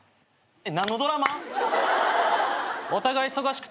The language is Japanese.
えっ！？